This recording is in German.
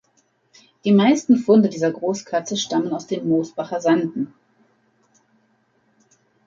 Die meisten Funde dieser Großkatze stammen aus den Mosbacher Sanden.